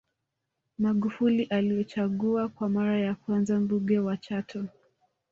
Magufuli alichaguliwa kwa mara ya kwanza Mbunge wa Chato